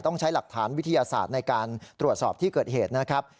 ใช้หลักฐานวิทยาศาสตร์ในการตรวจสอบที่เกิดเหตุนะครับ